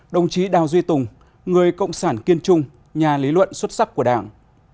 đồng chí đào duy tùng người cộng sản kiên trung nhà lý luận xuất sắc của đảng